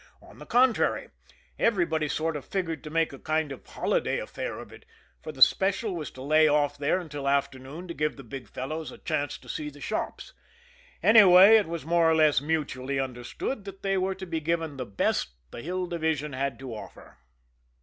On the contrary, everybody sort of figured to make a kind of holiday affair of it, for the special was to lay off there until afternoon to give the Big Fellows a chance to see the shops. Anyway, it was more or less mutually understood that they were to be given the best the Hill Division had to offer.